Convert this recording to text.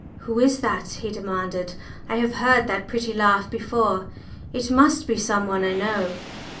"Who is that?" he demanded. "I have heard that pretty laugh before; it must be some one I know."